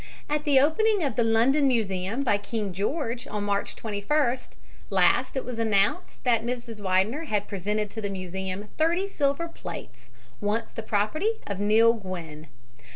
At the opening of the London Museum by King George on March 21st last it was announced that Mrs. Widener had presented to the museum thirty silver plates once the property of Nell Gwyn.